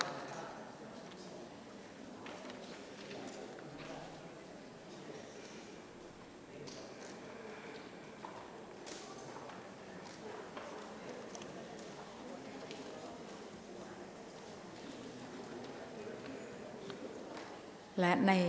ออกรางวัลเลขหน้า๓